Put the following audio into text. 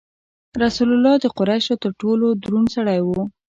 رسول الله د قریشو تر ټولو دروند سړی و.